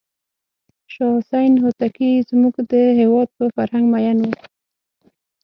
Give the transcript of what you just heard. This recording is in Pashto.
شاه حسین هوتکی زموږ د هېواد په فرهنګ مینو و.